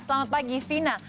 selamat pagi fina